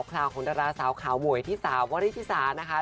ข่าวของดาราสาวขาหมวยที่สาววริธิสานะคะ